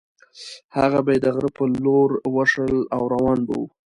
هغه به یې د غره په لور وشړل او روان به وو.